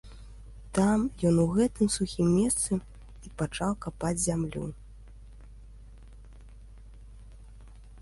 Там ён у гэтым сухім месцы і пачаў капаць зямлю.